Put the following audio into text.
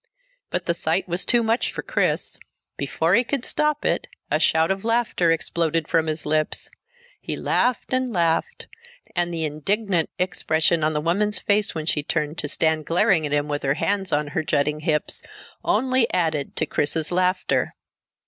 But the sight was too much for Chris. Before he could stop it a shout of laughter exploded from his lips. He laughed and laughed, and the indignant expression on the woman's face when she turned, to stand glaring at him with her hands on her jutting hips, only added to Chris's laughter.